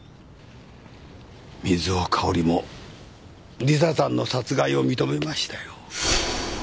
水尾香織もリサさんの殺害を認めましたよ。